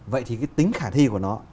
vậy thì cái tính khả thi của nó